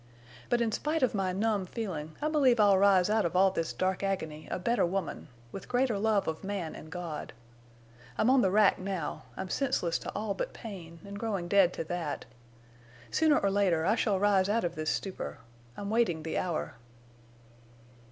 But in spite of my numb feeling I believe I'll rise out of all this dark agony a better woman, with greater love of man and God. I'm on the rack now; I'm senseless to all but pain, and growing dead to that. Sooner or later I shall rise out of this stupor. I'm waiting the hour."